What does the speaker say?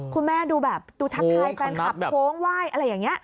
คุณแม่ดูแบบดูทักทายแฟนคลับโค้งไหว้อะไรอย่างนี้